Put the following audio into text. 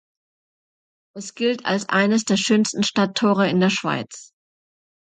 Es gilt als eines der schönsten Stadttore in der Schweiz.